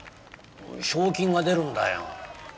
賞金が出るんだよ。